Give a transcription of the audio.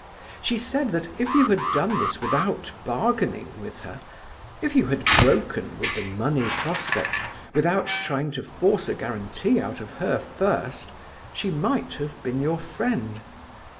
She said that if you had done this without bargaining with her, if you had broken with the money prospects without trying to force a guarantee out of her first, she might have been your friend.